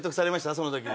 その時に。